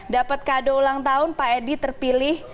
dapat kado ulang tahun pak edi terpilih